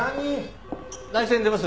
内線出ます。